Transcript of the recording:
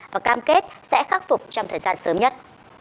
và cam kết sẽ khắc phục trong thời gian sớm nhất